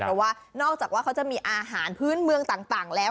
เพราะว่านอกจากว่าเขาจะมีอาหารพื้นเมืองต่างแล้ว